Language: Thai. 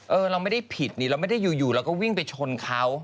เราไม่ได้ผิดนี่เราไม่ได้อยู่เราก็วิ่งไปชนเขา